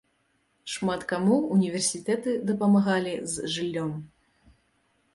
Шмат каму універсітэты дапамагалі з жыллём.